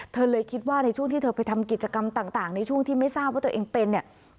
เธอเลยคิดว่าในช่วงที่เธอไปทำกิจกรรมต่างในช่วงที่ไม่ทราบว่าตัวเองเป็นเนี่ย